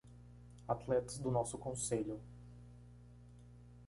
Atletas do nosso concelho.